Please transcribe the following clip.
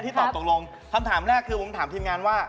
ตอบตกลงคำถามแรกคือผมถามทีมงานว่า